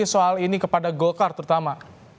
jadi soal ini kepada gokar terutama